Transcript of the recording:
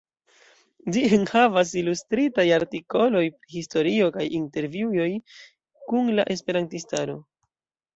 Ĝi enhavas ilustritaj artikoloj pri historio kaj intervjuoj kun la esperantistaro.